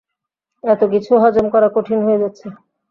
এতকিছু হজম করা কঠিন হয়ে যাচ্ছে।